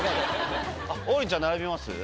王林ちゃん並びます？